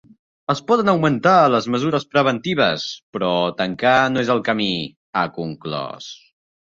Es poden augmentar les mesures preventives però tancar no és el camí, ha conclòs.